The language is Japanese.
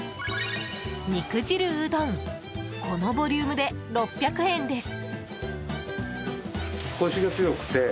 肉汁うどん、このボリュームで６００円です。